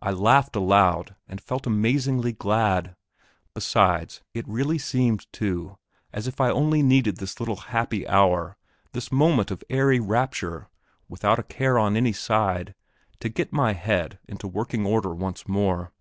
I laughed aloud, and felt amazingly glad. Besides, it really seemed, too, as if I only needed this little happy hour, this moment of airy rapture, without a care on any side, to get my head into working order once more.